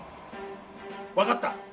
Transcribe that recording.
分かった。